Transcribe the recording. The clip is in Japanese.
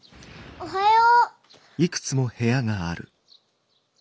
おはよう。